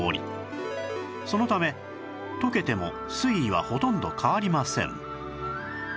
そのため溶けても水位はほとんど変わりません